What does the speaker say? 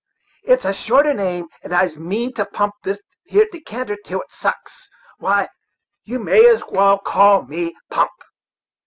It's a shorter name, and as I mean to pump this here decanter till it sucks, why, you may as well call me Pump."